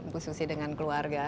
bu susi dengan keluarga